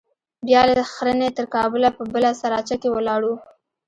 بيا له ښرنې تر کابله په بله سراچه کښې ولاړو.